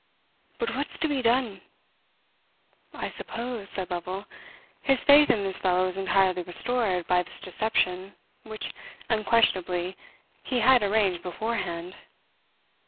But what's to be done?" "I suppose," said Lovel, "his faith in this fellow is entirely restored by this deception, which, unquestionably, he had arranged beforehand."